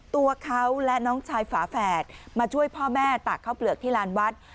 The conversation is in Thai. ตัวเขาและน้องชายฝาแฝดมาช่วยพ่อแม่ตากข้าวเปลือกที่ลานวัด